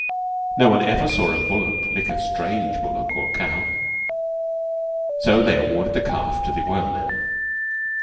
No one ever saw a bullock lick a strange bullock or cow and so they awarded the calf to the oilman.